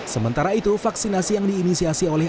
sementara itu vaksinasi yang diinisiasi oleh